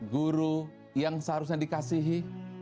guru yang seharusnya dikasihi